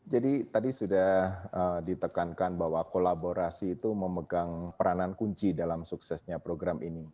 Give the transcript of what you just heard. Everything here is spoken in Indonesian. jadi tadi sudah ditekankan bahwa kolaborasi itu memegang peranan kunci dalam suksesnya program ini